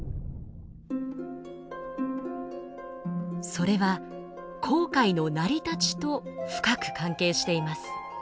それは紅海の成り立ちと深く関係しています。